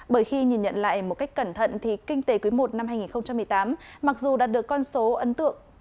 bởi khi nhìn nhận lại một cách cẩn thận thì kinh tế quý i năm hai nghìn một mươi tám mặc dù đã được con số ấn tượng